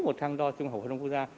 một thang đo trung học phổ thông quốc gia